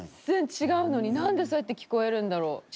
全然違うのになんでそうやって聞こえるんだろう？